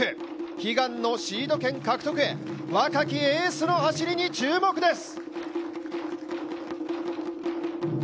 悲願のシード権獲得へ、若きエースの走りに注目です。